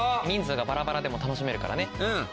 人数がバラバラでも楽しめるからね。